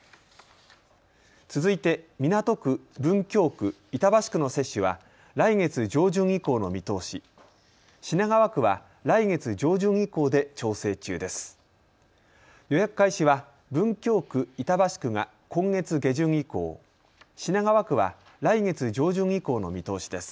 続いて港区、文京区、板橋区の接種は来月上旬以降の見通し、品川区は来月上旬以降で調整中です。